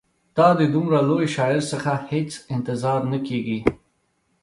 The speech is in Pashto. دا د دومره لوی شاعر څخه هېڅ انتظار نه کیږي.